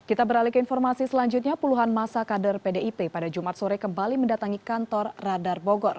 kita beralih ke informasi selanjutnya puluhan masa kader pdip pada jumat sore kembali mendatangi kantor radar bogor